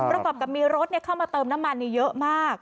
ประกอบกับมีรถเข้ามาเติมน้ำมันเยอะมาก